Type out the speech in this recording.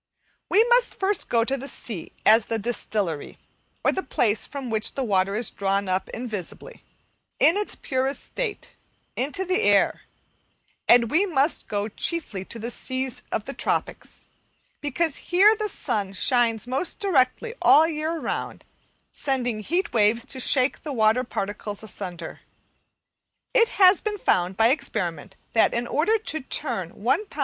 We must first go to the sea as the distillery, or the place from which water is drawn up invisibly, in its purest state, into the air; and we must go chiefly to the seas of the tropics, because here the sun shines most directly all the year round, sending heat waves to shake the water particles asunder. It has been found by experiment that, in order to turn 1 lb.